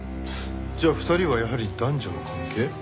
じゃあ２人はやはり男女の関係？